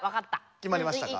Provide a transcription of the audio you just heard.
決まりましたか？